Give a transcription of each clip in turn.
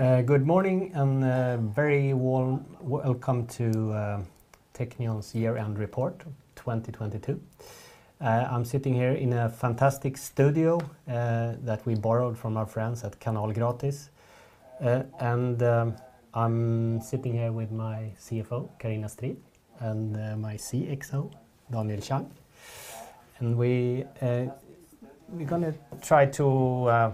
Good morning, very warm welcome to Teqnion's year-end report 2022. I'm sitting here in a fantastic studio that we borrowed from our friends at Kanalgratis. I'm sitting here with my CFO, Carina Strid, and my CXO, Daniel Zhang. We're gonna try to...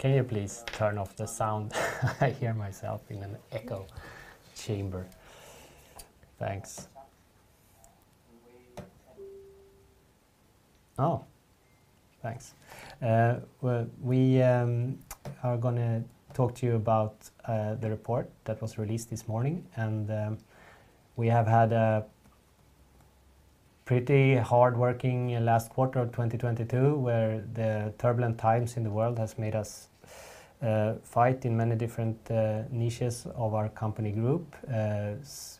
Can you please turn off the sound? I hear myself in an echo chamber. Thanks. Thanks. Well, we are gonna talk to you about the report that was released this morning. We have had a pretty hardworking last quarter of 2022, where the turbulent times in the world has made us fight in many different niches of our company group.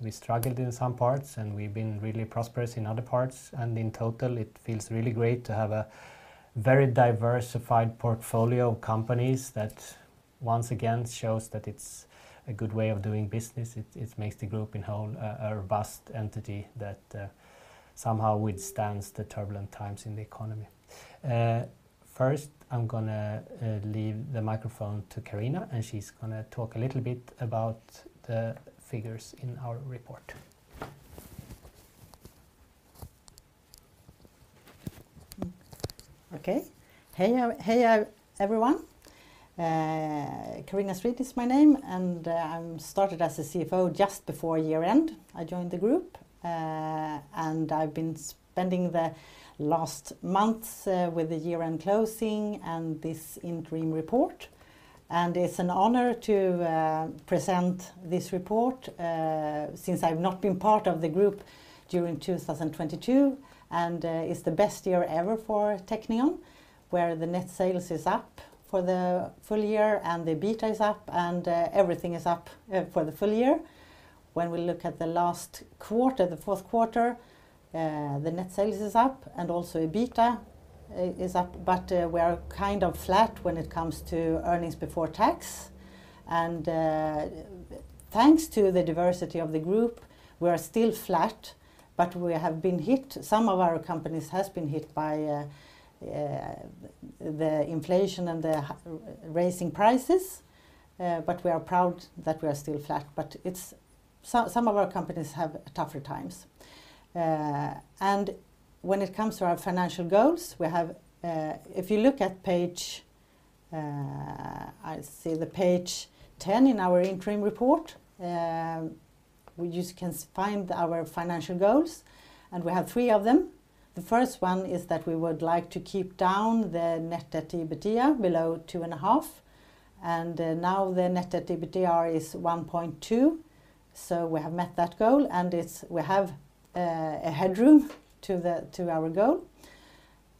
We struggled in some parts, we've been really prosperous in other parts. In total, it feels really great to have a very diversified portfolio of companies that once again shows that it's a good way of doing business. It makes the group in whole a robust entity that somehow withstands the turbulent times in the economy. First, I'm gonna leave the microphone to Carina, and she's gonna talk a little bit about the figures in our report. Okay. Hey, hey, everyone. Carina Strid is my name, and I'm started as a CFO just before year-end I joined the group. I've been spending the last months with the year-end closing and this interim report. It's an honor to present this report since I've not been part of the group during 2022, and it's the best year ever for Teqnion, where the net sales is up for the full year, and the EBITDA is up, and everything is up for the full year. When we look at the last quarter, the fourth quarter, the net sales is up and also EBITDA is up. We are kind of flat when it comes to earnings before tax. Thanks to the diversity of the group, we are still flat, but we have been hit, some of our companies has been hit by the inflation and the raising prices. We are proud that we are still flat. Some of our companies have tougher times. When it comes to our financial goals, we have... If you look at page, I see the page 10 in our interim report, where you can find our financial goals, and we have three of them. The first one is that we would like to keep down the net debt to EBITDA below 2.5x, now the net debt to EBITDA is 1.2x, we have met that goal. We have a headroom to the, to our goal.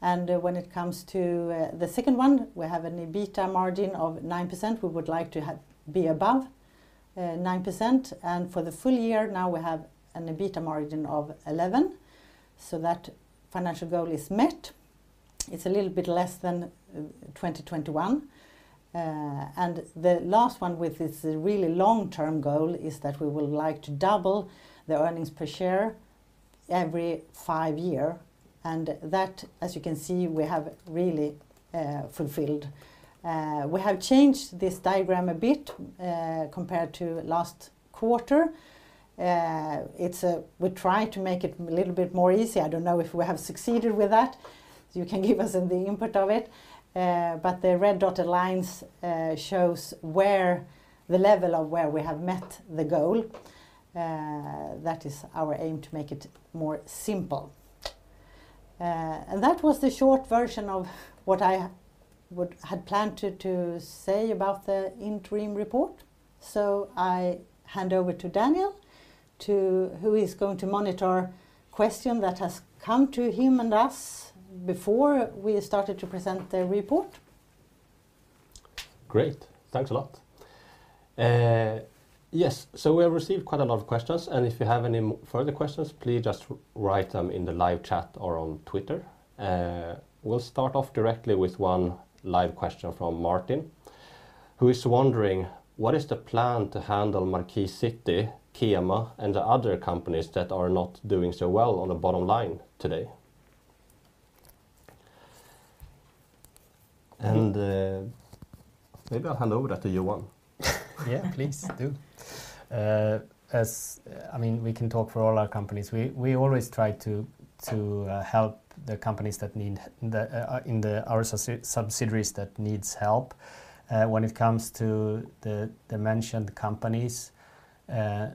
When it comes to the second one, we have an EBITDA margin of 9%. We would like to be above 9%. For the full year, now we have an EBITDA margin of 11%, so that financial goal is met. It's a little bit less than 2021. The last one, which is a really long-term goal, is that we would like to double the earnings per share every 5 year. That, as you can see, we have really fulfilled. We have changed this diagram a bit compared to last quarter. It's. We try to make it a little bit more easy. I don't know if we have succeeded with that, so you can give us in the input of it. The red dotted lines shows where the level of where we have met the goal. That is our aim to make it more simple. That was the short version of what I had planned to say about the interim report. I hand over to Daniel, who is going to monitor question that has come to him and us before we started to present the report. Great. Thanks a lot. Yes, so we have received quite a lot of questions, and if you have any further questions, please just write them in the live chat or on Twitter. We'll start off directly with one live question from Martin, who is wondering: What is the plan to handle MarkisCity, Kema, and the other companies that are not doing so well on the bottom line today? Maybe I'll hand over that to you, Johan. Yeah, please do. I mean, we can talk for all our companies. We always try to help the companies that need in our subsidiaries that needs help. When it comes to the mentioned companies,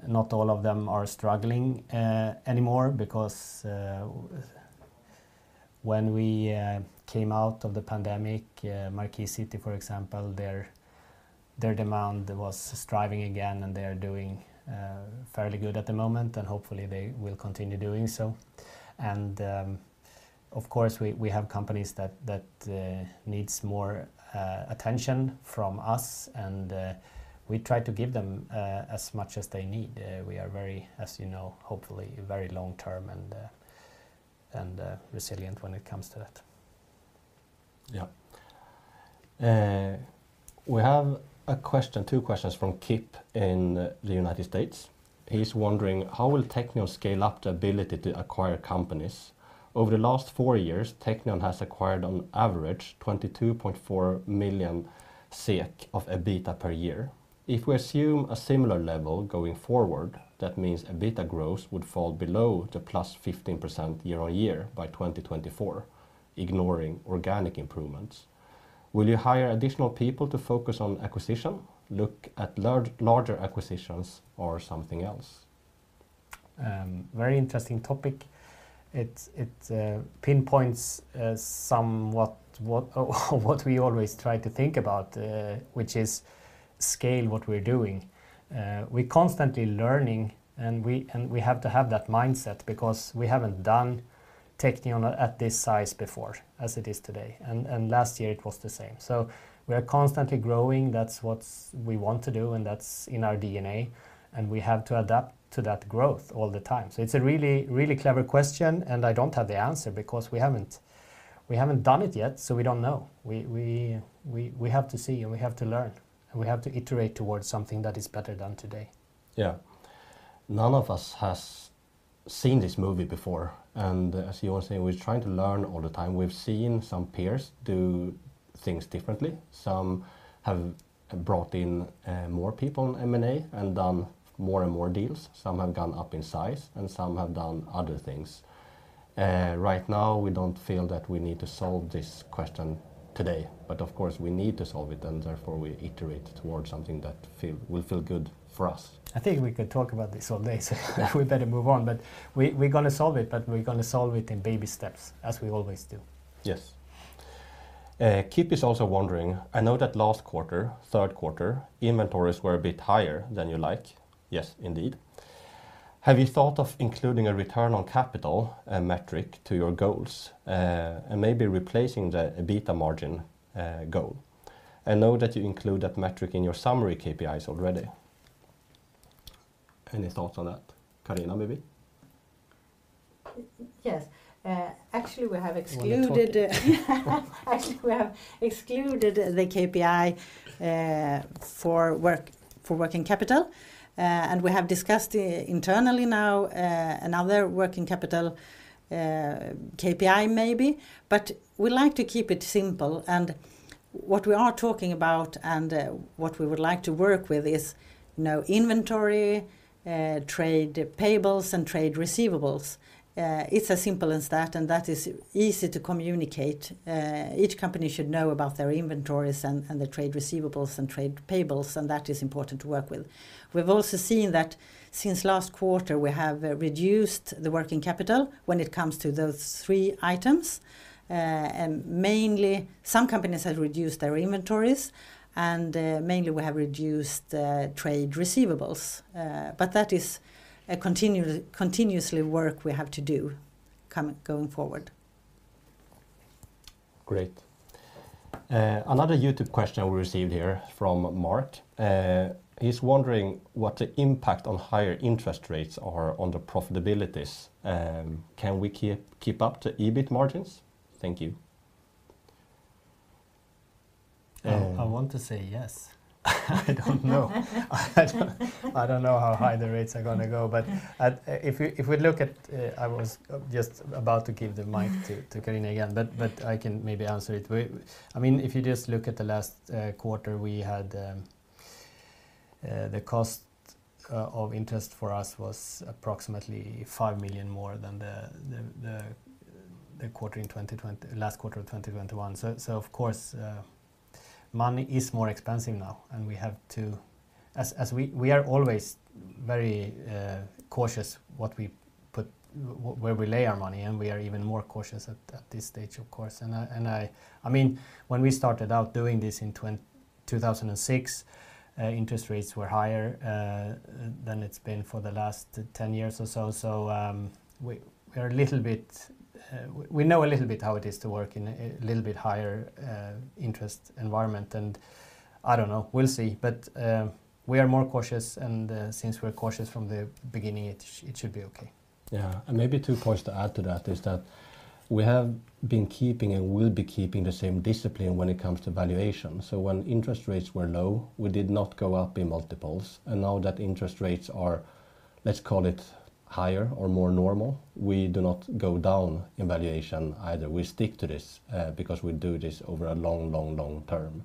not all of them are struggling anymore because when we came out of the pandemic, MarkisCity, for example, their demand was striving again, and they are doing fairly good at the moment. Hopefully, they will continue doing so. Of course, we have companies that needs more attention from us, and we try to give them as much as they need. We are very, as you know, hopefully, very long-term and resilient when it comes to that. Yeah. We have a question, two questions from Kip in the United States. He's wondering, how will Teqnion scale up the ability to acquire companies? Over the last four years, Teqnion has acquired on average 22.4 million SEK of EBITDA per year. If we assume a similar level going forward, that means EBITDA growth would fall below the +15% year-over-year by 2024, ignoring organic improvements. Will you hire additional people to focus on acquisition, look at larger acquisitions or something else? Very interesting topic. It pinpoints somewhat what we always try to think about, which is scale what we're doing. We constantly learning and we have to have that mindset because we haven't done Teqnion at this size before as it is today. Last year it was the same. We are constantly growing. That's what we want to do, and that's in our DNA, and we have to adapt to that growth all the time. It's a really, really clever question, and I don't have the answer because we haven't, we haven't done it yet, so we don't know. We have to see and we have to learn, and we have to iterate towards something that is better than today. Yeah. None of us has seen this movie before, and as you all say, we're trying to learn all the time. We've seen some peers do things differently. Some have brought in more people in M&A and done more and more deals. Some have gone up in size, and some have done other things. Right now we don't feel that we need to solve this question today, but of course we need to solve it, and therefore we iterate towards something that will feel good for us. I think we could talk about this all day, so we better move on. We gonna solve it, but we gonna solve it in baby steps as we always do. Yes. Kip is also wondering, I know that last quarter, Q3, inventories were a bit higher than you like. Yes, indeed. Have you thought of including a return on capital metric to your goals and maybe replacing the EBITDA margin goal? I know that you include that metric in your summary KPIs already. Any thoughts on that? Carina, maybe? Yes. actually we have You want me to talk to you. Actually, we have excluded the KPI for working capital. We have discussed internally now another working capital KPI maybe. We like to keep it simple, and what we are talking about and what we would like to work with is, you know, inventory, trade payables and trade receivables. It's as simple as that, and that is easy to communicate. Each company should know about their inventories and the trade receivables and trade payables, and that is important to work with. We've also seen that since last quarter, we have reduced the working capital when it comes to those three items. Mainly some companies have reduced their inventories, and mainly we have reduced the trade receivables. That is a continuously work we have to do going forward. Great. Another YouTube question we received here from Mark. He's wondering what the impact on higher interest rates are on the profitabilities. Can we keep up the EBIT margins? Thank you. Um- I want to say yes. I don't know. I don't know how high the rates are gonna go. If you, if we look at... I was just about to give the mic to Carina again, but I can maybe answer it. I mean, if you just look at the last quarter, we had the cost of interest for us was approximately 5 million more than the quarter in 2020, last quarter of 2021. Of course, money is more expensive now, and we have to. As we are always very cautious what we put where we lay our money, and we are even more cautious at this stage of course. And I. I mean, when we started out doing this in 2006, interest rates were higher than it's been for the last 10 years or so. We're a little bit, we know a little bit how it is to work in a little bit higher interest environment. I don't know. We'll see. We are more cautious, and since we're cautious from the beginning it should be okay. Yeah. Maybe two points to add to that is that we have been keeping and will be keeping the same discipline when it comes to valuation. When interest rates were low, we did not go up in multiples. Now that interest rates are, let's call it higher or more normal, we do not go down in valuation either. We stick to this because we do this over a long, long, long term.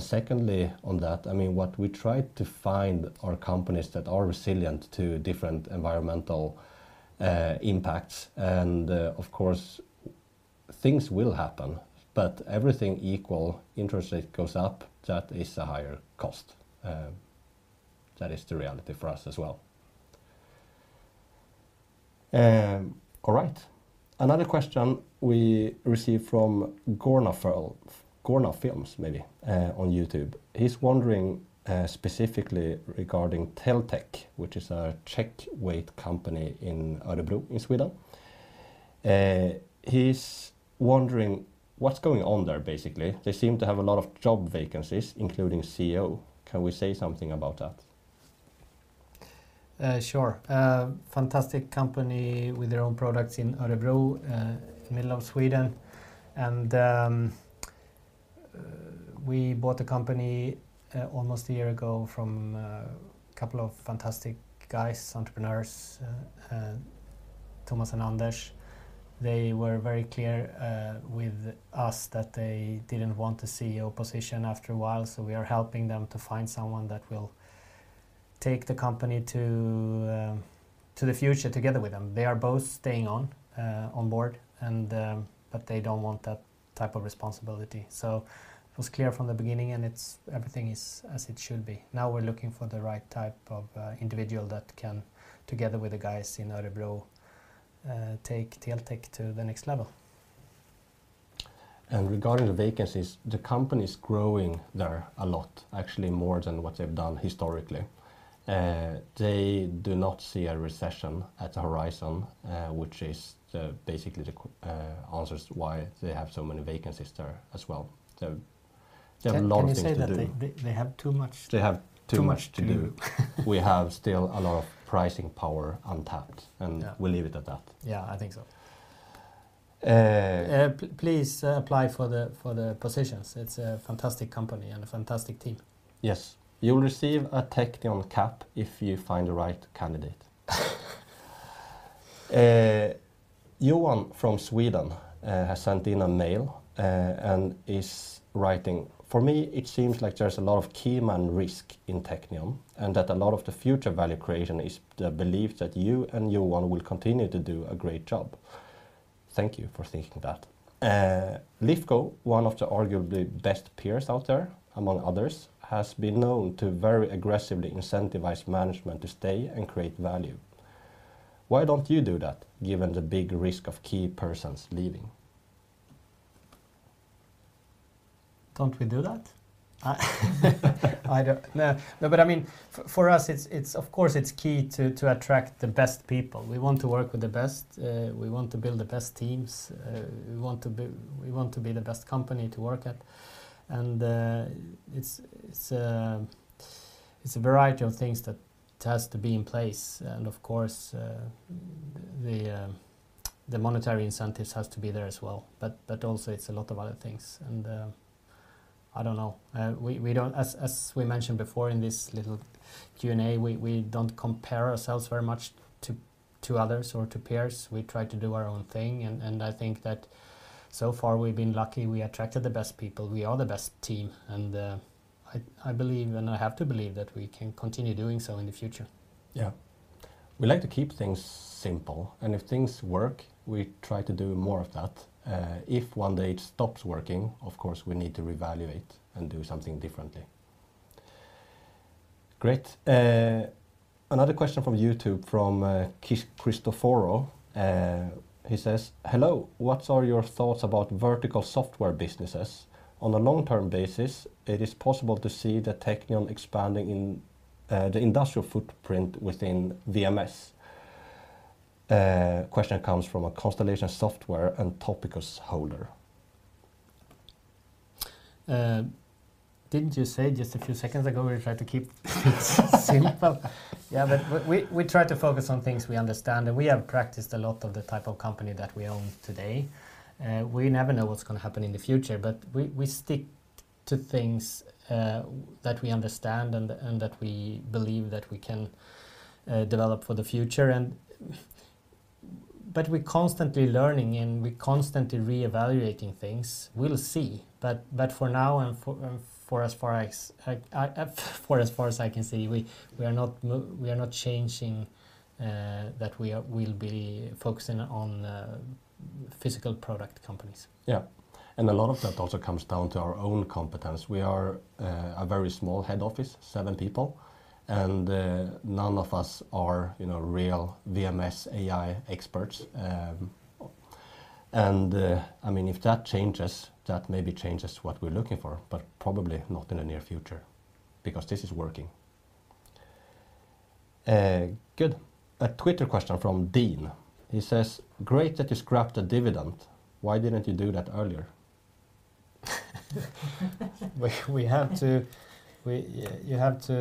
Secondly on that, I mean, what we try to find are companies that are resilient to different environmental impacts. Of course things will happen. Everything equal, interest rate goes up, that is a higher cost. That is the reality for us as well. All right. Another question we received from Gorna Films maybe on YouTube. He's wondering, specifically regarding Teltek, which is a checkweigh company in Örebro, in Sweden. He's wondering what's going on there, basically. They seem to have a lot of job vacancies, including CEO. Can we say something about that? Fantastic company with their own products in Örebro, middle of Sweden. We bought the company almost a year ago from a couple of fantastic guys, entrepreneurs, Thomas and Anders. They were very clear with us that they didn't want to see opposition after a while, we are helping them to find someone that will take the company to the future together with them. They are both staying on board and they don't want that type of responsibility. It was clear from the beginning, everything is as it should be. Now we're looking for the right type of individual that can, together with the guys in Örebro, take Teltek to the next level. Regarding the vacancies, the company's growing there a lot, actually more than what they've done historically. They do not see a recession at the horizon, which is the basically the answers why they have so many vacancies there as well. They have a lot of things to do. Can you say that they have too much- They have too much to do. Too much to do. We have still a lot of pricing power untapped. Yeah... we'll leave it at that. Yeah, I think so. Uh- Please apply for the positions. It's a fantastic company and a fantastic team. Yes. You'll receive a Teqnion cap if you find the right candidate. Johan from Sweden has sent in a mail and is writing, "For me, it seems like there's a lot of keyman risk in Teqnion, and that a lot of the future value creation is the belief that you and Johan will continue to do a great job." Thank you for thinking that. "Lifco, one of the arguably best peers out there, among others, has been known to very aggressively incentivize management to stay and create value. Why don't you do that given the big risk of key persons leaving? Don't we do that? I don't. No, no, I mean, for us, it's of course key to attract the best people. We want to work with the best. We want to build the best teams. We want to be the best company to work at. It's a variety of things that has to be in place. Of course, the monetary incentives has to be there as well. Also it's a lot of other things. I don't know. We don't, as we mentioned before in this little Q&A, we don't compare ourselves very much to others or to peers. We try to do our own thing, and I think that so far we've been lucky. We attracted the best people. We are the best team. I believe, and I have to believe that we can continue doing so in the future. Yeah. We like to keep things simple, and if things work, we try to do more of that. If one day it stops working, of course, we need to reevaluate and do something differently. Great. Another question from YouTube from Cristoforo. He says, "Hello. What are your thoughts about vertical software businesses? On a long-term basis, it is possible to see Teqnion expanding in the industrial footprint within VMS." Question comes from a Constellation Software and Topicus holder. Didn't you say just a few seconds ago we try to keep things simple? We try to focus on things we understand, and we have practiced a lot of the type of company that we own today. We never know what's gonna happen in the future, but we stick to things that we understand and that we believe that we can develop for the future and. We're constantly learning, and we're constantly reevaluating things. We'll see. For now and for as far as I, for as far as I can see, we are not changing that we'll be focusing on physical product companies. A lot of that also comes down to our own competence. We are a very small head office, seven people, and none of us are, you know, real VMS AI experts. I mean, if that changes, that maybe changes what we're looking for, but probably not in the near future because this is working. Good. A Twitter question from Dean. He says, "Great that you scrapped the dividend. Why didn't you do that earlier? You have to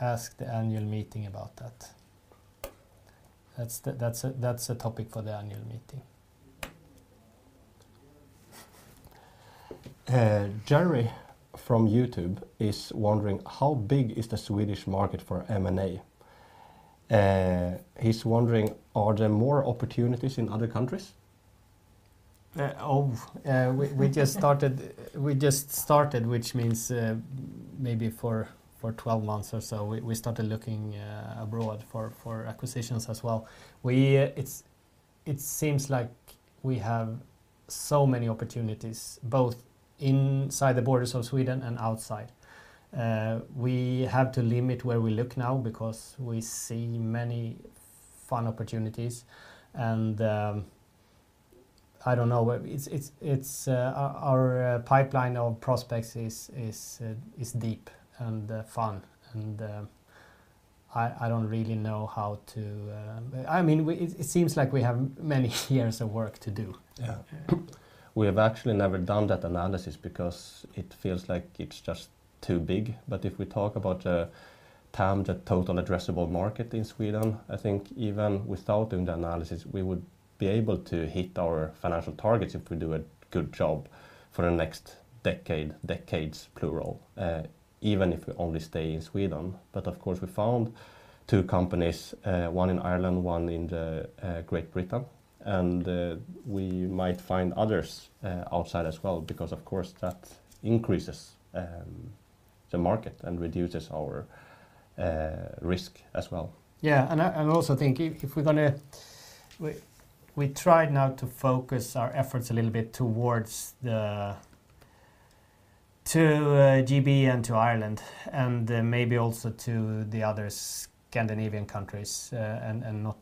ask the annual meeting about that. That's a topic for the annual meeting. Jeremy from YouTube is wondering, "How big is the Swedish market for M&A?" He's wondering, "Are there more opportunities in other countries? Oh. We just started, which means, maybe for 12 months or so, we started looking abroad for acquisitions as well. It seems like we have so many opportunities both inside the borders of Sweden and outside. We have to limit where we look now because we see many fun opportunities and I don't know where... It's our pipeline of prospects is deep and fun. I don't really know how to... I mean, it seems like we have many years of work to do. We have actually never done that analysis because it feels like it's just too big. If we talk about TAM, the total addressable market in Sweden, I think even without doing the analysis, we would be able to hit our financial targets if we do a good job for the next decade, decades, plural, even if we only stay in Sweden. Of course, we found two companies, one in Ireland, one in the Great Britain, and we might find others outside as well because of course that increases the market and reduces our risk as well. Yeah. I also think if we try now to focus our efforts a little bit towards GB and to Ireland, and then maybe also to the other Scandinavian countries, and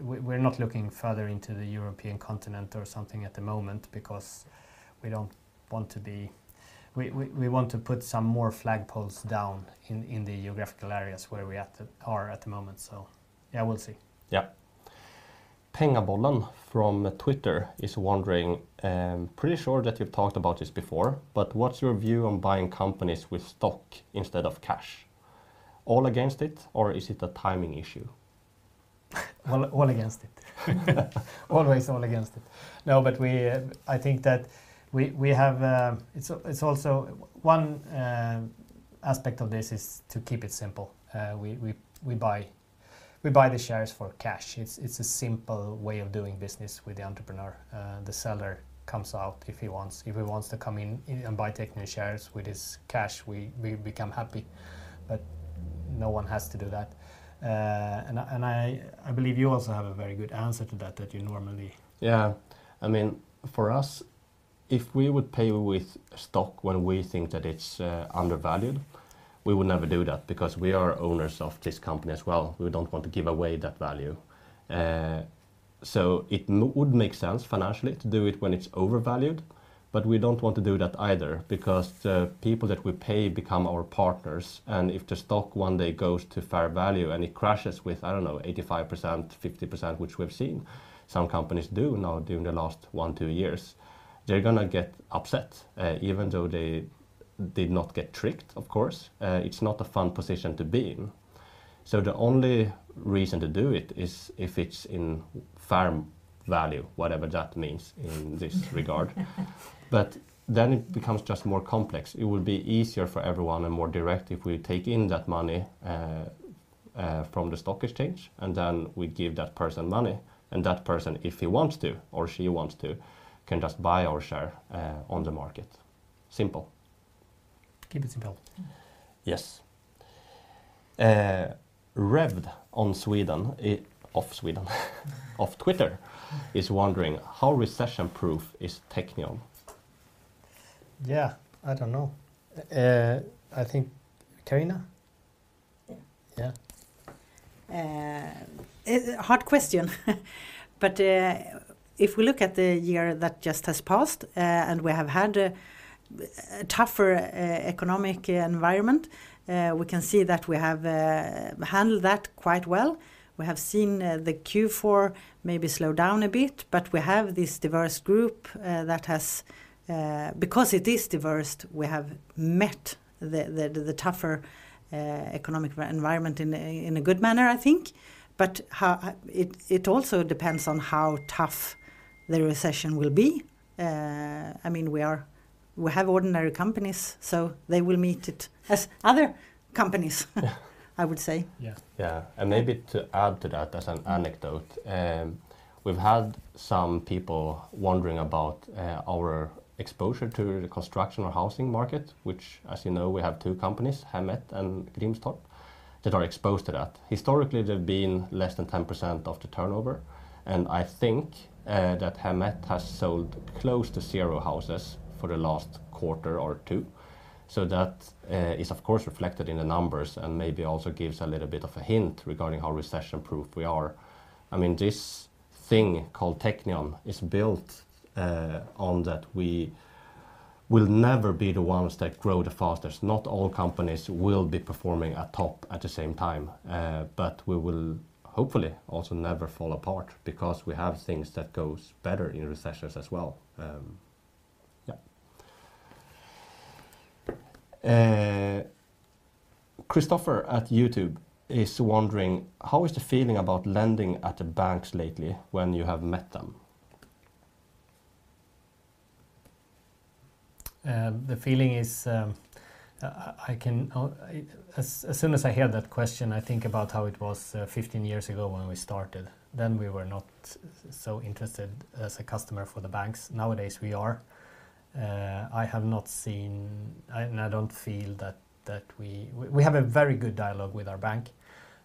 we're not looking further into the European continent or something at the moment because we don't want to. We want to put some more flagpoles down in the geographical areas where we are at the moment. Yeah, we'll see. Yeah. Pengabollen from Twitter is wondering: "Pretty sure that you've talked about this before, but what's your view on buying companies with stock instead of cash? All against it or is it a timing issue? All against it. Always all against it. We I think that we have. It's also one aspect of this is to keep it simple. We buy the shares for cash. It's a simple way of doing business with the entrepreneur. The seller comes out if he wants. If he wants to come in and buy Teqnion shares with his cash, we become happy, but no one has to do that. I believe you also have a very good answer to that you normally- I mean, for us, if we would pay with stock when we think that it's undervalued, we would never do that because we are owners of this company as well. We don't want to give away that value. It would make sense financially to do it when it's overvalued, but we don't want to do that either because the people that we pay become our partners, and if the stock one day goes to fair value and it crashes with, I don't know, 85%, 50%, which we've seen some companies do now during the last one, two years, they're gonna get upset. Even though they did not get tricked, of course, it's not a fun position to be in. The only reason to do it is if it's in fair value, whatever that means in this regard. It becomes just more complex. It would be easier for everyone and more direct if we take in that money from the stock exchange, and then we give that person money, and that person, if he wants to or she wants to, can just buy our share on the market. Simple. Keep it simple. Yes. Revd on Sweden, of Sweden of Twitter is wondering: "How recession-proof is Teqnion? Yeah. I don't know. I think Carina? Yeah. Yeah. It's a hard question. If we look at the year that just has passed, we have had a tougher, economic, environment, we can see that we have handled that quite well. We have seen the Q4 maybe slow down a bit, but we have this diverse group. Because it is diverse, we have met the tougher, economic environment in a good manner, I think. How it also depends on how tough the recession will be. I mean, we have ordinary companies, so they will meet it as other companies, I would say. Yeah. Yeah. Maybe to add to that as an anecdote, we've had some people wondering about our exposure to the construction or housing market, which as you know, we have two companies, Hem1 and Grimstorp, that are exposed to that. Historically, they've been less than 10% of the turnover, and I think that Hem1 has sold close to 0 houses for the last quarter or two. That is of course reflected in the numbers and maybe also gives a little bit of a hint regarding how recession-proof we are. I mean, this thing called Teqnion is built on that we will never be the ones that grow the fastest. Not all companies will be performing at top at the same time. We will hopefully also never fall apart because we have things that goes better in recessions as well. Yeah. Christoffer at YouTube is wondering: "How is the feeling about lending at the banks lately when you have met them? The feeling is, I can, as soon as I hear that question, I think about how it was 15 years ago when we started, we were not so interested as a customer for the banks. Nowadays we are. I have not seen, I don't feel that we have a very good dialogue with our bank,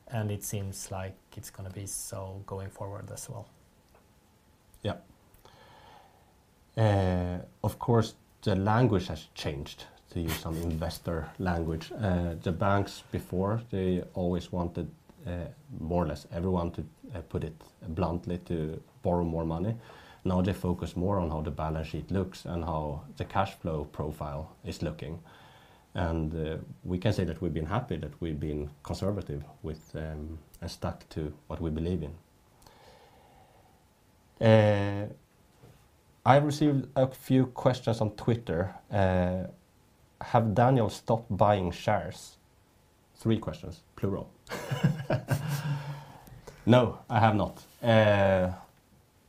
and it seems like it's gonna be so going forward as well. Yeah. Of course, the language has changed, to use some investor language. The banks before, they always wanted, more or less everyone to, put it bluntly, to borrow more money. Now they focus more on how the balance sheet looks and how the cash flow profile is looking. We can say that we've been happy that we've been conservative with, and stuck to what we believe in. I received a few questions on Twitter. Have Daniel stopped buying shares? Three questions, plural. No, I have not.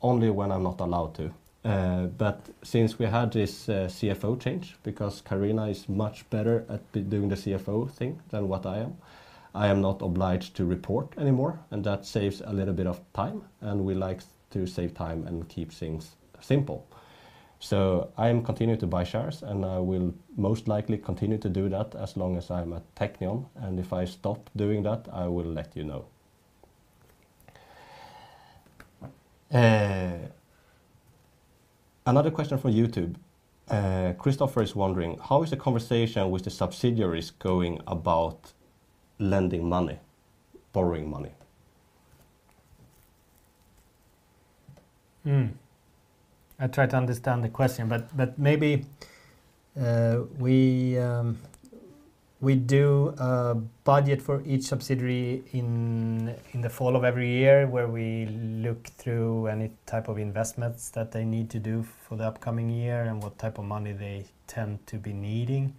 Only when I'm not allowed to. Since we had this CFO change, because Carina Strid is much better at doing the CFO thing than what I am, I am not obliged to report anymore, and that saves a little bit of time, and we like to save time and keep things simple. I am continue to buy shares, and I will most likely continue to do that as long as I'm at Teqnion, and if I stop doing that, I will let you know. Another question from YouTube. Christopher is wondering, "How is the conversation with the subsidiaries going about lending money, borrowing money? I try to understand the question, but maybe we do a budget for each subsidiary in the fall of every year, where we look through any type of investments that they need to do for the upcoming year and what type of money they tend to be needing.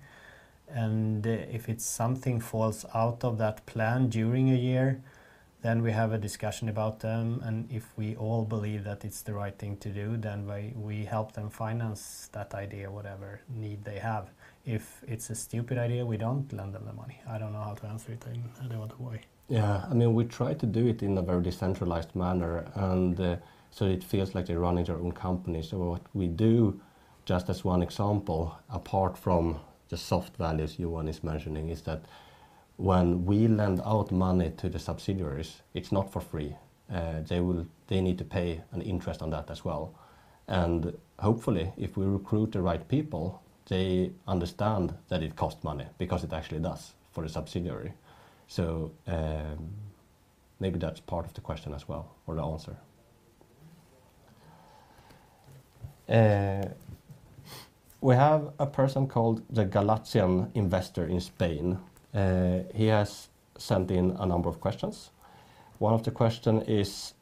If it's something falls out of that plan during a year, then we have a discussion about them, and if we all believe that it's the right thing to do, then we help them finance that idea, whatever need they have. If it's a stupid idea, we don't lend them the money. I don't know how to answer it in any other way. Yeah. I mean, we try to do it in a very decentralized manner, so it feels like they're running their own company. What we do, just as one example, apart from the soft values Johan is mentioning, is that when we lend out money to the subsidiaries, it's not for free. They need to pay an interest on that as well. Hopefully, if we recruit the right people, they understand that it costs money because it actually does for a subsidiary. Maybe that's part of the question as well, or the answer. We have a person called The Galatian Investor in Spain. He has sent in a number of questions. One of the question is,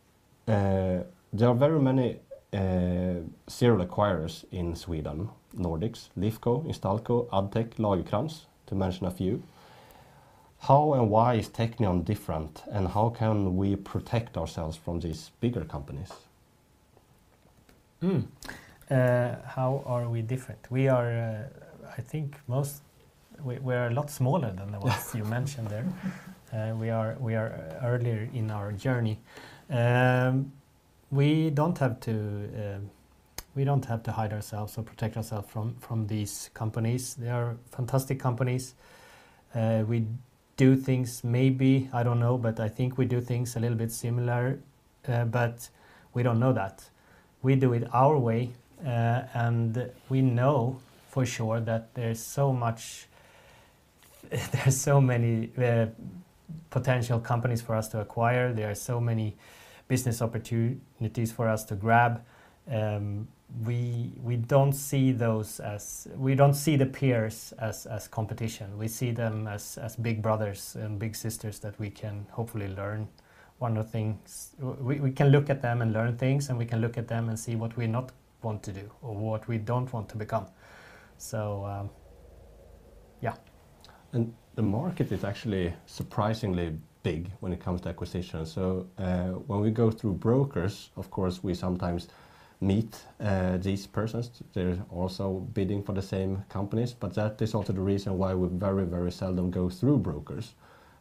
"There are very many serial acquirers in Sweden, Nordics, Lifco, Instalco, Addtech, Lagercrantz, to mention a few. How and why is Teqnion different, and how can we protect ourselves from these bigger companies? How are we different? We're a lot smaller than the ones you mentioned there. We are earlier in our journey. We don't have to hide ourselves or protect ourself from these companies. They are fantastic companies. We do things maybe, I don't know, but I think we do things a little bit similar, but we don't know that. We do it our way. We know for sure that there's so many potential companies for us to acquire. There are so many business opportunities for us to grab. We don't see the peers as competition. We see them as big brothers and big sisters that we can hopefully learn one of the things. We can look at them and learn things, we can look at them and see what we not want to do or what we don't want to become. Yeah. The market is actually surprisingly big when it comes to acquisitions. When we go through brokers, of course, we sometimes meet these persons. They're also bidding for the same companies, but that is also the reason why we very, very seldom go through brokers.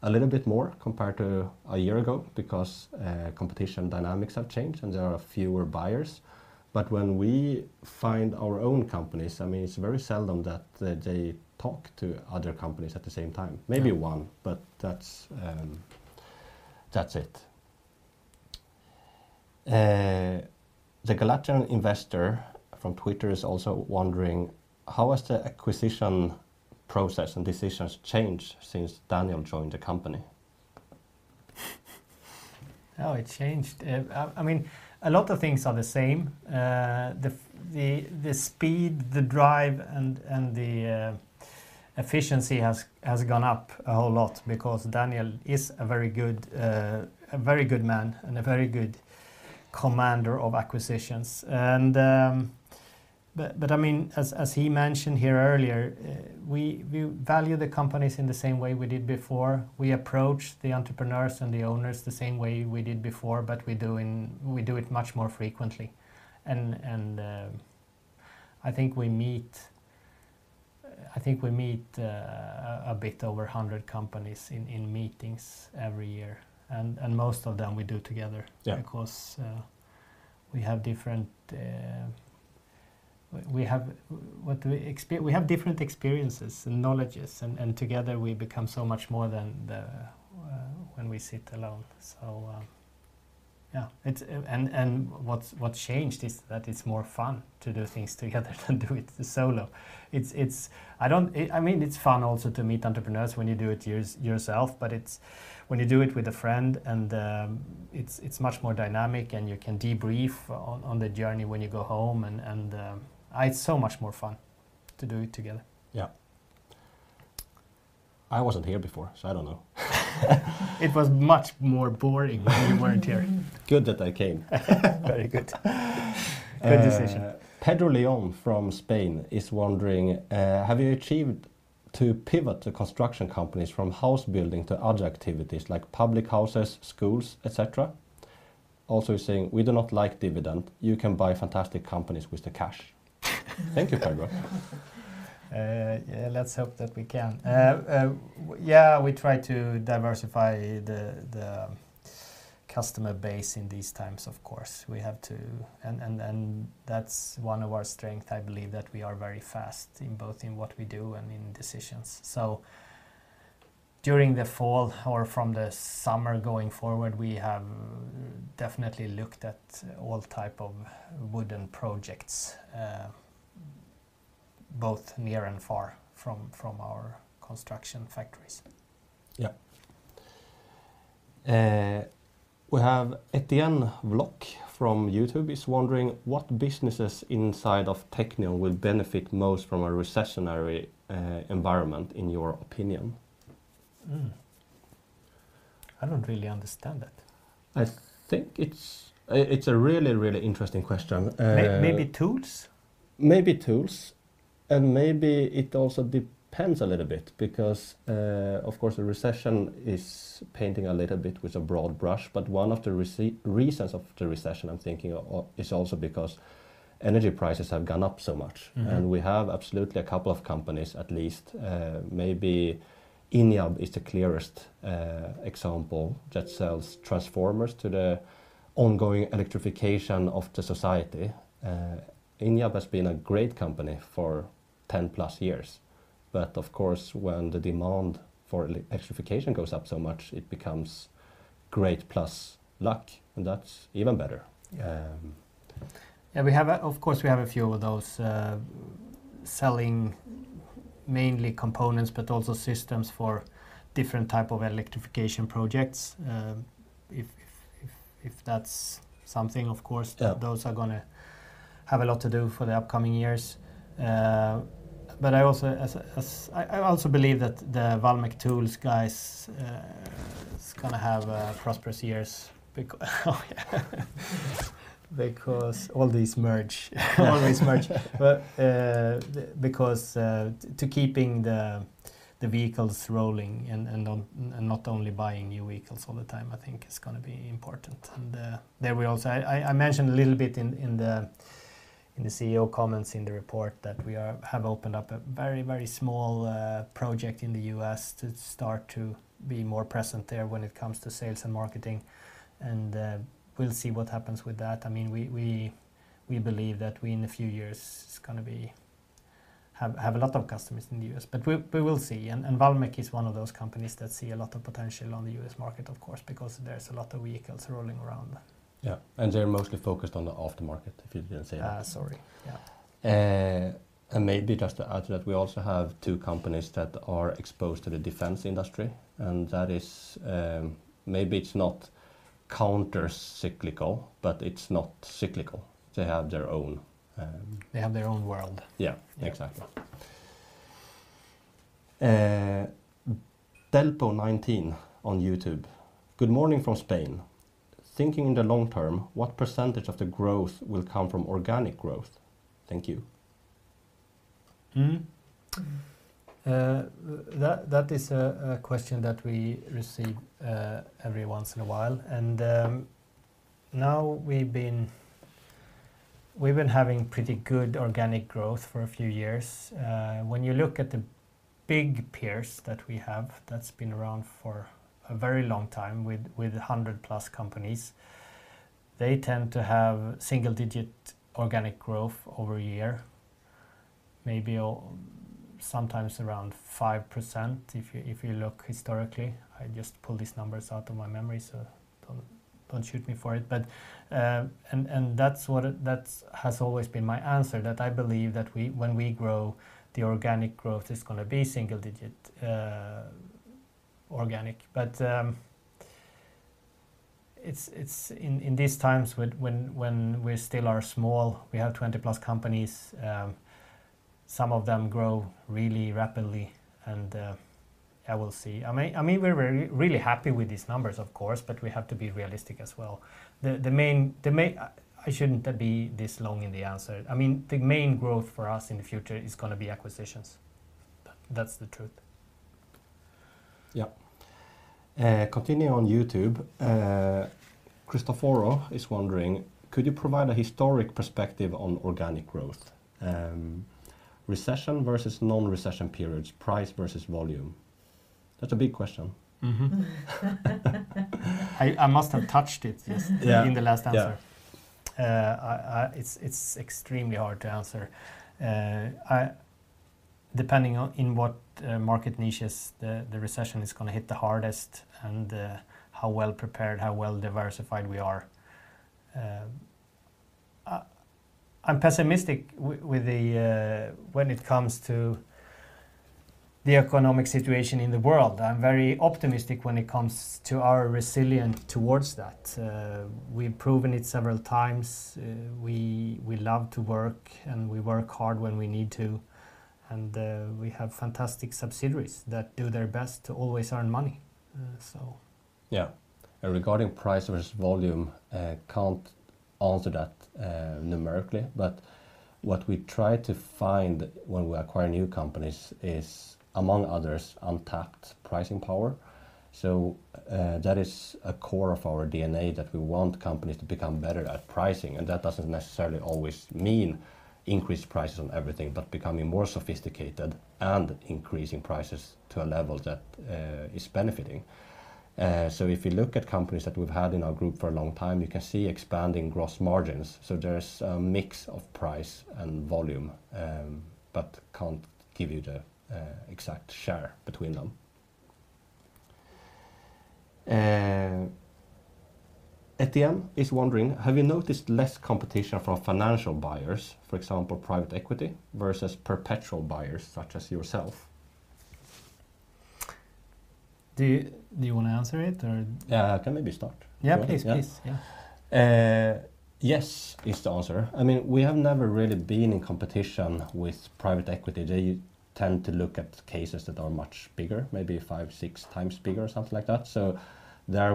A little bit more compared to a year ago because competition dynamics have changed, and there are fewer buyers. When we find our own companies, I mean, it's very seldom that they talk to other companies at the same time. Yeah. Maybe one, but that's it. The Galatian Investor from Twitter is also wondering, "How has the acquisition process and decisions changed since Daniel joined the company? Oh, it changed. I mean, a lot of things are the same. The speed, the drive, and the efficiency has gone up a whole lot because Daniel is a very good man and a very good commander of acquisitions. But I mean, as he mentioned here earlier, we value the companies in the same way we did before. We approach the entrepreneurs and the owners the same way we did before, but we do it much more frequently. I think we meet a bit over 100 companies in meetings every year, and most of them we do together... Yeah... because we have different experiences and knowledges, and together we become so much more than the when we sit alone. Yeah. It's. What's changed is that it's more fun to do things together than do it solo. It's, I mean, it's fun also to meet entrepreneurs when you do it yourself. When you do it with a friend, it's much more dynamic, and you can debrief on the journey when you go home, and it's so much more fun to do it together. Yeah. I wasn't here before, so I don't know. It was much more boring when you weren't here. Good that I came. Very good. Good decision. Pedro Leon from Spain is wondering, "Have you achieved to pivot the construction companies from house building to other activities like public houses, schools, et cetera?" Also saying, "We do not like dividend. You can buy fantastic companies with the cash." Thank you, Pedro. Yeah, let's hope that we can. Yeah, we try to diversify the customer base in these times, of course. We have to. That's one of our strength, I believe, that we are very fast in both in what we do and in decisions. During the fall or from the summer going forward, we have definitely looked at all type of wooden projects, both near and far from our construction factories. Yeah. We have Etienne Blok from YouTube is wondering, "What businesses inside of Teqnion will benefit most from a recessionary environment, in your opinion? I don't really understand that. It's a really, really interesting question. Maybe tools? Maybe tools. Maybe it also depends a little bit because, of course, a recession is painting a little bit with a broad brush. One of the reasons of the recession, I'm thinking of is also because energy prices have gone up so much. Mm-hmm. We have absolutely a couple of companies at least, maybe Injab is the clearest example that sells transformers to the ongoing electrification of the society. Injab has been a great company for 10+ years, but of course, when the demand for electrification goes up so much, it becomes great plus luck, and that's even better. We have a, of course, we have a few of those, selling mainly components but also systems for different type of electrification projects. If that's something. Yeah... those are gonna have a lot to do for the upcoming years. I also believe that the Walmec Tools guys is gonna have prosperous years because all these merge. All these merge, but because to keeping the vehicles rolling and on, and not only buying new vehicles all the time, I think, is gonna be important. There we also I mentioned a little bit in the CEO comments in the report that we have opened up a very, very small project in the U.S. to start to be more present there when it comes to sales and marketing, and we'll see what happens with that. I mean, we believe that we, in a few years, have a lot of customers in the U.S. We will see. Walmec is one of those companies that see a lot of potential on the U.S. market, of course, because there's a lot of vehicles rolling around. Yeah, they're mostly focused on the aftermarket, if you didn't say that. Sorry. Yeah. Maybe just to add to that, we also have two companies that are exposed to the defense industry, and that is, maybe it's not counter-cyclical, but it's not cyclical. They have their own. They have their own world. Yeah. Yeah. Exactly. Delpo19 on YouTube, "Good morning from Spain. Thinking in the long term, what percentage of the growth will come from organic growth? Thank you. That is a question that we receive every once in a while, and now we've been having pretty good organic growth for a few years. When you look at the big peers that we have that's been around for a very long time with 100+ companies, they tend to have single-digit organic growth over a year, maybe sometimes around 5%, if you look historically. I just pulled these numbers out of my memory, so don't shoot me for it. That's what has always been my answer, that I believe that we, when we grow, the organic growth is gonna be single digit organic. It's, in these times when we still are small, we have 20+ companies, some of them grow really rapidly, and, yeah, we'll see. I mean, we're really happy with these numbers, of course, but we have to be realistic as well. The main, I shouldn't be this long in the answer. I mean, the main growth for us in the future is gonna be acquisitions. That's the truth. Yeah. Continuing on YouTube, Cristoforo is wondering, "Could you provide a historic perspective on organic growth? Recession versus non-recession periods, price versus volume." That's a big question. Mm-hmm. I must have touched it. Yeah in the last answer. Yeah. I it's extremely hard to answer. Depending on in what market niches the recession is gonna hit the hardest and how well prepared, how well diversified we are, I'm pessimistic when it comes to the economic situation in the world. I'm very optimistic when it comes to our resilient towards that. We've proven it several times. We love to work, and we work hard when we need to, and we have fantastic subsidiaries that do their best to always earn money. Yeah. Regarding price versus volume, I can't answer that numerically. What we try to find when we acquire new companies is, among others, untapped pricing power. That is a core of our DNA, that we want companies to become better at pricing, and that doesn't necessarily always mean increased prices on everything, but becoming more sophisticated and increasing prices to a level that is benefiting. If you look at companies that we've had in our group for a long time, you can see expanding gross margins. There's a mix of price and volume, but can't give you the exact share between them. Etienne is wondering, have you noticed less competition from financial buyers, for example, private equity, versus perpetual buyers such as yourself? Do you, do you wanna answer it, or? Yeah, I can maybe start. Yeah, please. Yeah. Yeah. Yes is the answer. I mean, we have never really been in competition with private equity. They tend to look at cases that are much bigger, maybe five, six times bigger or something like that. There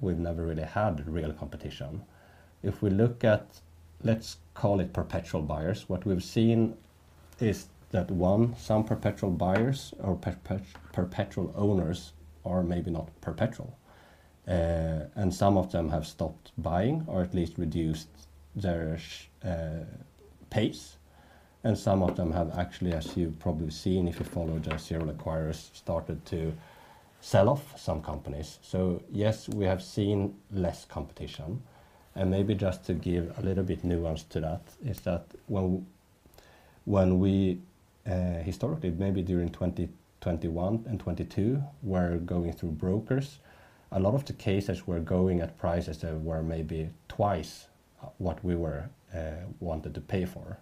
we've never really had real competition. If we look at, let's call it perpetual buyers, what we've seen is that, one, some perpetual buyers or perpetual owners are maybe not perpetual. Some of them have stopped buying or at least reduced their pace, and some of them have actually, as you've probably seen if you followed our serial acquirers, started to sell off some companies. Yes, we have seen less competition. Maybe just to give a little bit nuance to that, is that when we, historically, maybe during 2021 and 2022, were going through brokers, a lot of the cases were going at prices that were maybe twice what we wanted to pay for.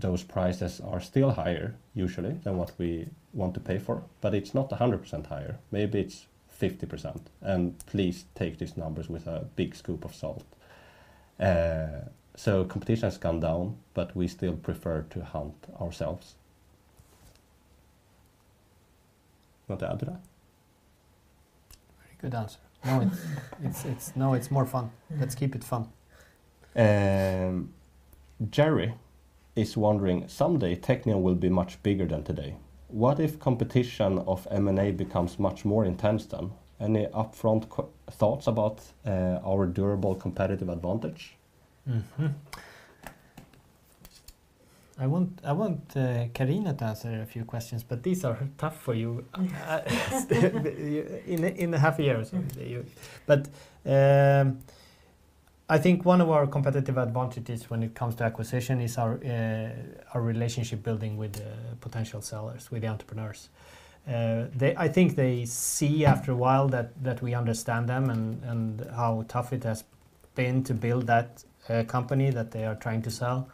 Those prices are still higher usually than what we want to pay for, but it's not 100% higher. Maybe it's 50%. Please take these numbers with a big scoop of salt. Competition has come down, but we still prefer to hunt ourselves. Want to add to that? Very good answer. Now it's more fun. Let's keep it fun. Jerry is wondering, someday Teqnion will be much bigger than today. What if competition of M&A becomes much more intense then? Any upfront thoughts about our durable competitive advantage? I want Carina to answer a few questions, but these are tough for you. In the half year or something, you... I think one of our competitive advantages when it comes to acquisition is our relationship building with the potential sellers, with the entrepreneurs. They, I think they see after a while that we understand them and how tough it has been to build that company that they are trying to sell.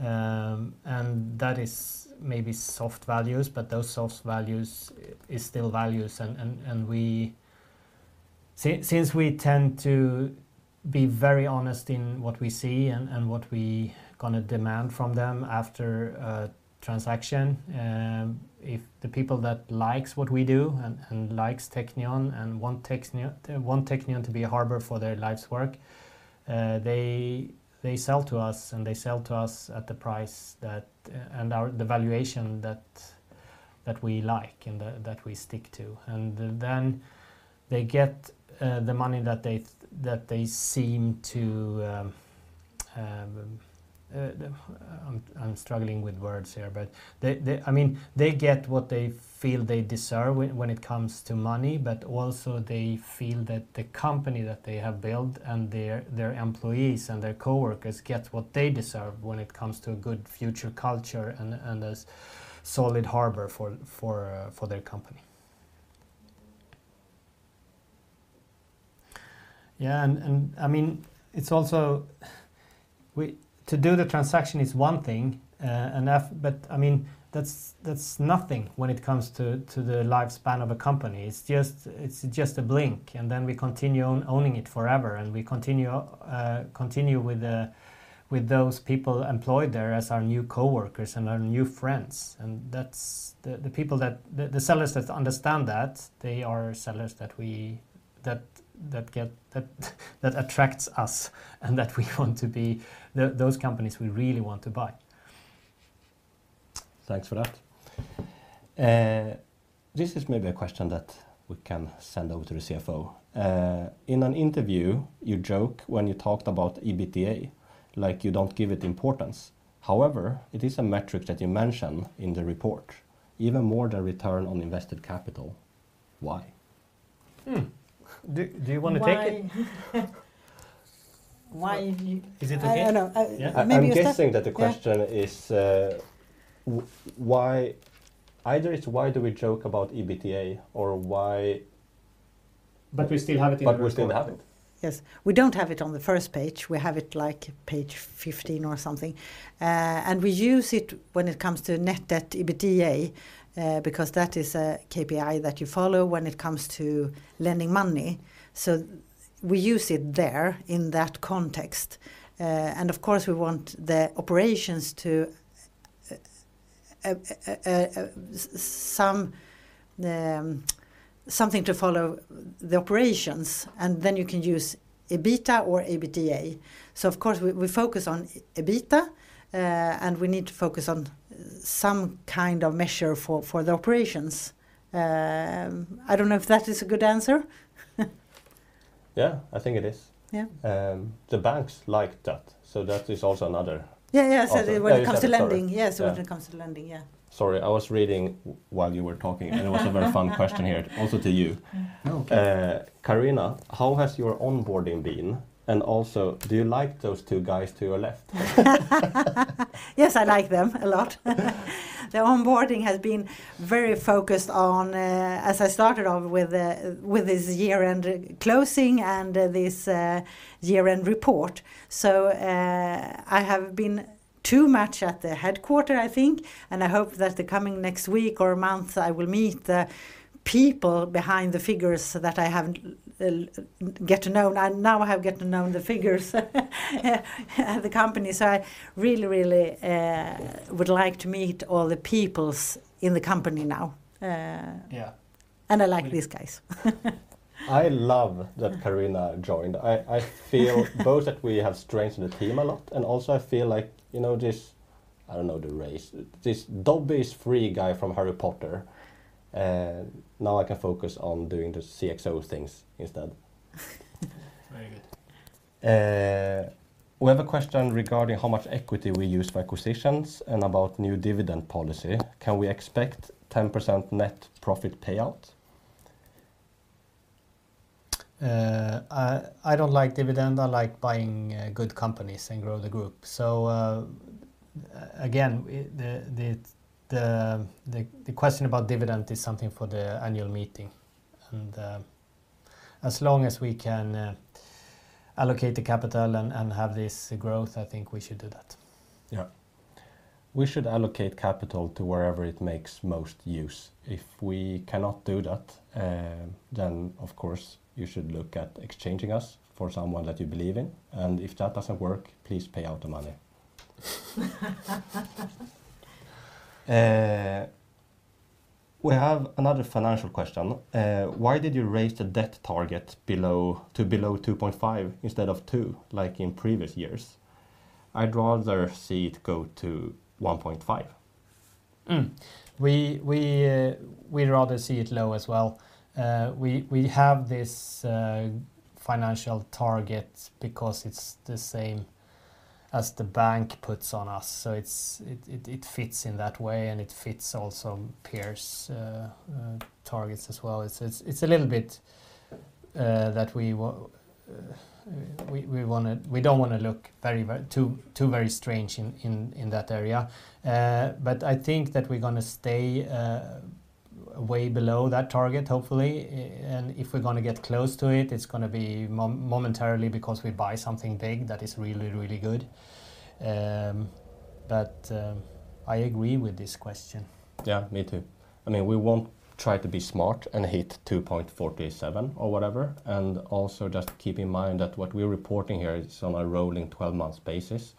That is maybe soft values, but those soft values is still values and we... Since we tend to be very honest in what we see and what we gonna demand from them after a transaction, if the people that likes what we do and likes Teqnion and want Teqnion to be a harbor for their life's work, they sell to us, and they sell to us at the price that and our, the valuation that we like and that we stick to. Then they get the money that they that they seem to. I'm struggling with words here. They, I mean, they get what they feel they deserve when it comes to money, but also they feel that the company that they have built and their employees and their coworkers get what they deserve when it comes to a good future culture and a solid harbor for their company. I mean, it's also, to do the transaction is one thing, but I mean, that's nothing when it comes to the lifespan of a company. It's just a blink, and then we continue owning it forever, and we continue with those people employed there as our new coworkers and our new friends. That's the people that the sellers that understand that, they are sellers that we that get that attracts us and that we want to be those companies we really want to buy. Thanks for that. This is maybe a question that we can send over to the CFO. In an interview, you joke when you talked about EBITDA, like you don't give it importance. However, it is a metric that you mention in the report, even more than return on invested capital. Why? Do you wanna take it? Why? you- Is it okay? I don't know. Yeah. Maybe you start. I'm guessing that the question is, why... Either it's why do we joke about EBITDA or why... We still have it in our report. We still have it. Yes. We don't have it on the first page. We have it, like, page 15 or something. We use it when it comes to net debt EBITDA, because that is a KPI that you follow when it comes to lending money. We use it there in that context. Of course, we want the operations to something to follow the operations, and then you can use EBITDA or EBITDA. Of course, we focus on EBITDA, and we need to focus on some kind of measure for the operations. I don't know if that is a good answer. Yeah, I think it is. Yeah. The banks like that, so that is also. Yeah, yeah... also When it comes to lending. Yeah, sorry. yes, when it comes to lending, yeah. Sorry, I was reading while you were talking, and it was a very fun question here, also to you. Oh, okay. Carina, how has your onboarding been, and also, do you like those two guys to your left? Yes, I like them a lot. The onboarding has been very focused on, as I started on with this year-end closing and this year-end report. I have been too much at the headquarter, I think, and I hope that the coming next week or month, I will meet the people behind the figures so that I get to know. Now I have get to know the figures, the company, so I really, really would like to meet all the peoples in the company now. Yeah. I like these guys. I love that Carina joined. I feel both that we have strengthened the team a lot, and also I feel like, you know, this, I don't know the race, this Dobby's free guy from Harry Potter, now I can focus on doing the CXO things instead. Very good. We have a question regarding how much equity we use for acquisitions and about new dividend policy. Can we expect 10% net profit payout? I don't like dividend. I like buying good companies and grow the group. Again, we, the question about dividend is something for the annual meeting. As long as we can, allocate the capital and have this growth, I think we should do that. Yeah. We should allocate capital to wherever it makes most use. If we cannot do that, of course you should look at exchanging us for someone that you believe in, if that doesn't work, please pay out the money. We have another financial question. Why did you raise the debt target below, to below 2.5x instead of 2x like in previous years? I'd rather see it go to 1.5x. We'd rather see it low as well. We have this financial target because it's the same as the bank puts on us, so it fits in that way, and it fits also peers' targets as well. It's a little bit that we don't wanna look too very strange in that area. I think that we're gonna stay way below that target, hopefully, and if we're gonna get close to it's gonna be momentarily because we buy something big that is really, really good. I agree with this question. Yeah, me too. I mean, we won't try to be smart and hit 2.47x or whatever, and also just keep in mind that what we're reporting here is on a rolling 12-month basis,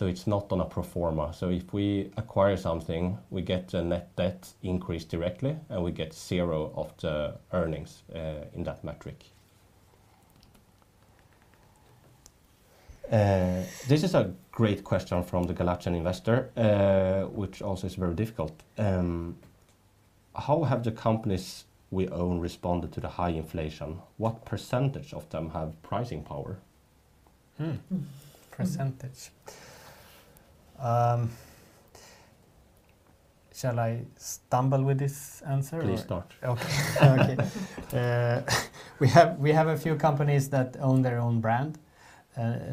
it's not on a pro forma. If we acquire something, we get a net debt increase directly, and we get zero of the earnings in that metric. This is a great question from The Galatian Investor, which also is very difficult. How have the companies we own responded to the high inflation? What percentage of them have pricing power? Hm. Hm. Percentage. Shall I stumble with this answer? Please start. Okay. Okay. We have a few companies that own their own brand.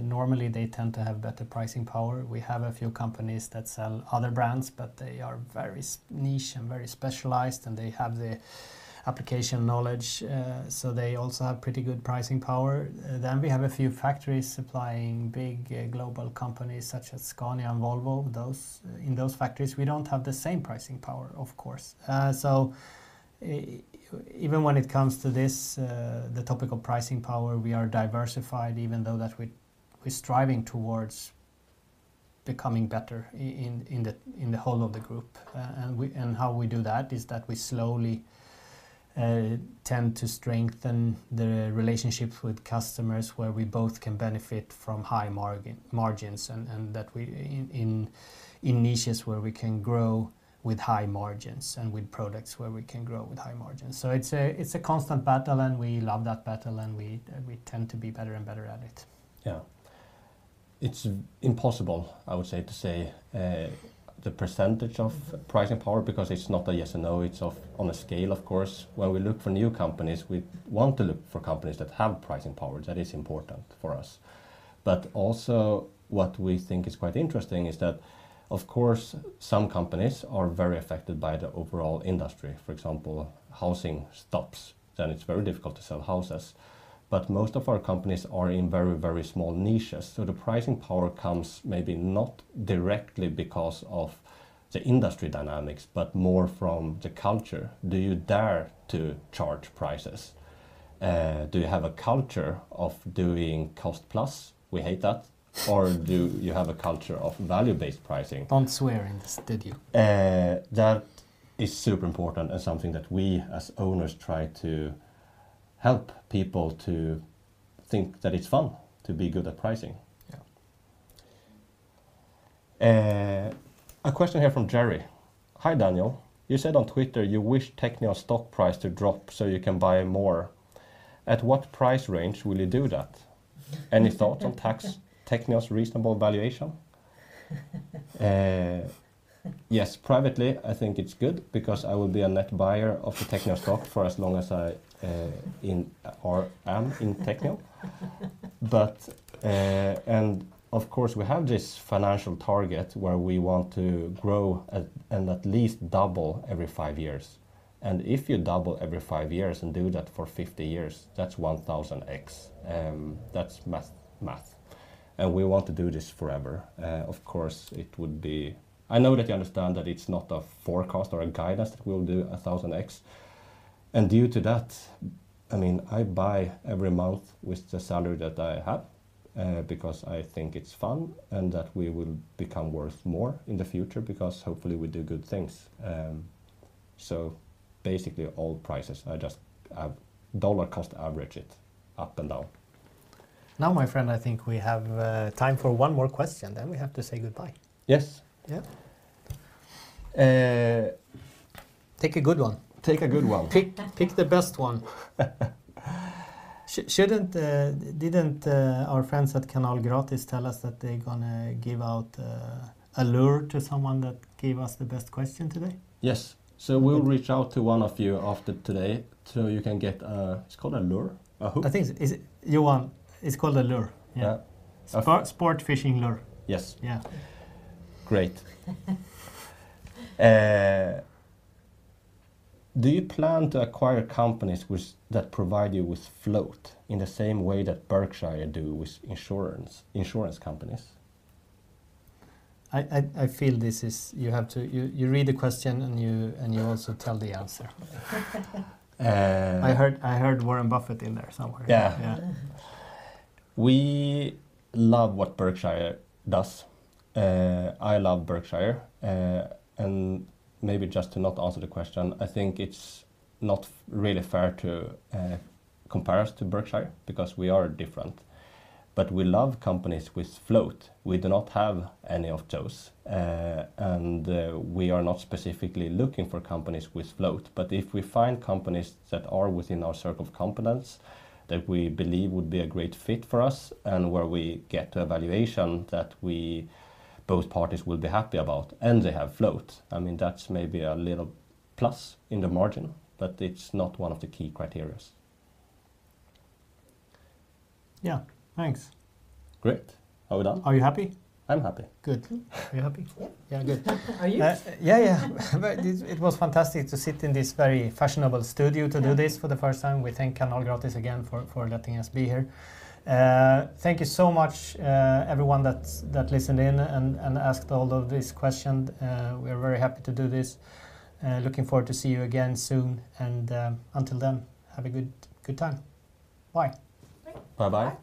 Normally they tend to have better pricing power. We have a few companies that sell other brands, but they are very niche and very specialized, and they have the application knowledge, so they also have pretty good pricing power. We have a few factories supplying big, global companies such as Scania and Volvo. Those, in those factories we don't have the same pricing power, of course. Even when it comes to this, the topic of pricing power, we are diversified even though that we're striving towards becoming better in the whole of the group. We, and how we do that is that we slowly tend to strengthen the relationships with customers where we both can benefit from high margins and that we, in niches where we can grow with high margins and with products where we can grow with high margins. It's a constant battle, and we love that battle, and we tend to be better and better at it. Yeah. It's impossible, I would say, to say the percentage of pricing power because it's not a yes or no. It's on a scale, of course. When we look for new companies, we want to look for companies that have pricing power. That is important for us. Also what we think is quite interesting is that of course some companies are very affected by the overall industry. For example, housing stops, it's very difficult to sell houses. Most of our companies are in very, very small niches, so the pricing power comes maybe not directly because of the industry dynamics, but more from the culture. Do you dare to charge prices? Do you have a culture of doing cost-plus? We hate that. Do you have a culture of value-based pricing? Don't swear in the studio. That is super important and something that we as owners try to help people to think that it's fun to be good at pricing. Yeah. A question here from Jerry. "Hi, Daniel. You said on Twitter you wish Teqnion stock price to drop so you can buy more. At what price range will you do that?" "Any thoughts on tax, Teqnion's reasonable valuation?" Yes, privately I think it's good, because I will be a net buyer of the Teqnion stock for as long as I am in Teqnion. Of course we have this financial target where we want to grow at, and at least double every five years. If you double every five years and do that for 50 years, that's 1,000X. That's math. We want to do this forever. Of course, it would be... I know that you understand that it's not a forecast or a guidance that we'll do 1,000X. Due to that, I mean, I buy every month with the salary that I have, because I think it's fun and that we will become worth more in the future because hopefully we do good things. Basically all prices are just dollar-cost average it up and down. my friend, I think we have time for one more question, then we have to say goodbye. Yes. Yeah. Uh- Take a good one. Take a good one. Pick the best one. Shouldn't didn't our friends at Kanalgratis tell us that they're gonna give out a lure to someone that gave us the best question today? Yes. We'll reach out to one of you after today, so you can get, It's called a lure? A hook? I think it's. Is it, Johan? It's called a lure. Yeah. A sport fishing lure. Yes. Yeah. Great. Do you plan to acquire companies that provide you with float in the same way that Berkshire do with insurance companies? I feel this is. You have to, you read the question and you also tell the answer. Uh- I heard Warren Buffett in there somewhere. Yeah. Yeah. We love what Berkshire does. I love Berkshire. Maybe just to not answer the question, I think it's not really fair to compare us to Berkshire, because we are different. We love companies with float. We do not have any of those. We are not specifically looking for companies with float. If we find companies that are within our circle of competence, that we believe would be a great fit for us, and where we get a valuation that we, both parties will be happy about, and they have float, I mean, that's maybe a little plus in the margin, but it's not one of the key criteria. Yeah. Thanks. Great. Are we done? Are you happy? I'm happy. Good. Are you happy? Yeah. Yeah. Good. Are you? Yeah, yeah. It was fantastic to sit in this very fashionable studio to do this. Yeah for the first time. We thank Kanalgratis again for letting us be here. Thank you so much everyone that listened in and asked all of these question. We're very happy to do this. Looking forward to see you again soon and until then, have a good time. Bye. Bye. Bye-bye.